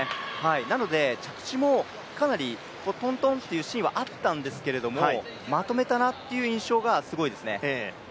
なので着地もかなりトントンというシーンはあったんですけどまとめたなっていう印象がすごいですね。